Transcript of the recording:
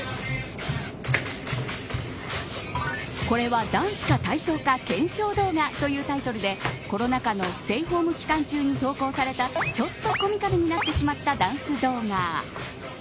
これはダンスか体操か検証動画というタイトルでコロナ禍のステイホーム期間中に投稿されたちょっとコミカルになってしまったダンス動画。